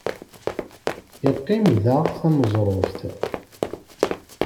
Yeqqim daɣ taneẓruft.